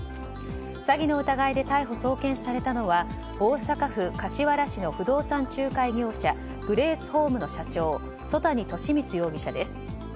詐欺の疑いで逮捕・送検されたのは大阪府柏原市の不動産仲介業者ＧＲＡＣＥＨＯＭＥの社長曽谷利満容疑者です。